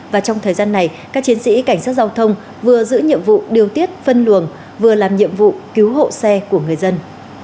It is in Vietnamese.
và trong thời gian này các chiến sĩ cảnh sát giao thông vừa giữ nhiệm vụ điều tiết phân luồng vừa làm nhiệm vụ cứu hộ xe của người dân